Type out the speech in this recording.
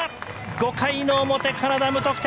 ５回の表、カナダ無得点。